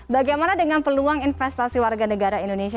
bagaimana dengan peluang investasi warga negara indonesia